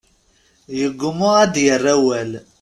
Yeggumma ad d-yerr awal.